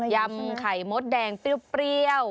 ยำไข่มดแดงเปรี้ยว